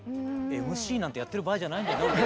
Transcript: ＭＣなんてやってる場合じゃない。